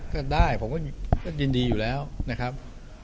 ก็ได้ผมก็ยินดีอยู่แล้วนะครับ